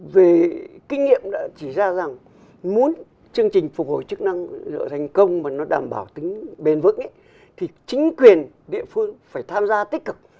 về kinh nghiệm đã chỉ ra rằng muốn chương trình phục hồi chức năng lựa thành công mà nó đảm bảo tính bền vững thì chính quyền địa phương phải tham gia tích cực